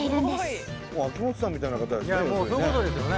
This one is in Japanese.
もう秋元さんみたいな方ですね